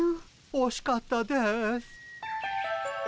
おしかったです。